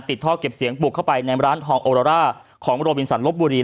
ท่อเก็บเสียงบุกเข้าไปในร้านทองโอโรร่าของโรบินสันลบบุรี